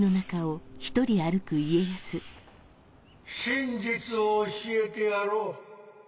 真実を教えてやろう。